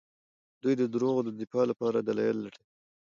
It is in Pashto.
دوی د دروغو د دفاع لپاره دلايل لټوي.